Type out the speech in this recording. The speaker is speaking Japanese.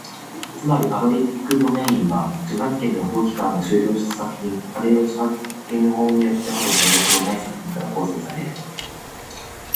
つまり、パブリックドメインは、著作権の保護期間が終了した作品、あるいは著作権法によって保護されたことのない作品から構成される。